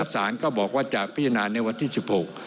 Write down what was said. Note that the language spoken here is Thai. สารก็บอกว่าจะพิจารณาในวันที่๑๖